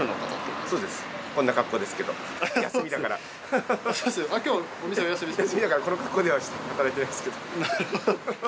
この格好では働いてないですけど。